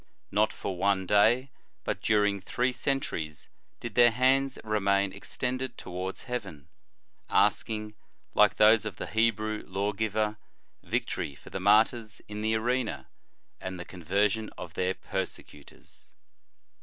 Not for one clay, but during three centuries did their hands remain extended towards heaven, asking, like those of the Hebrew law giver, victory for the martyrs in the arena, and the conversion of their persecutors.